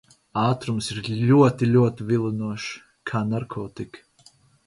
Ātrums ir ļoti, ļoti vilinošs. Kā narkotika.